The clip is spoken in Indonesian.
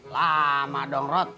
lama dong rot